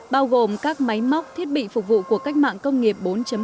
bao gồm các máy móc thiết bị phục vụ của cách mạng công nghiệp bốn